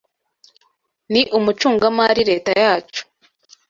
Ni umucungamari Leta yacu.